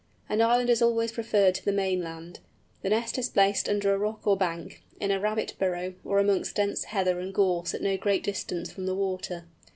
An island is always preferred to the mainland. The nest is placed under a rock or bank, in a rabbit burrow, or amongst dense heather and gorse at no great distance from the water.